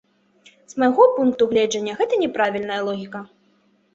З майго пункту гледжання, гэта няправільная логіка.